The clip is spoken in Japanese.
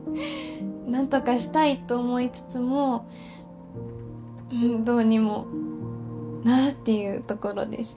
なんとかしたいと思いつつもうんどうにもなあっていうところです